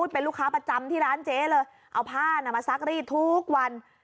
เป็นลูกค้าประจำที่ร้านเจ๊เลยเอาผ้ามาซักรีดทุกวัน